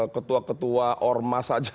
ketua ketua ormas saja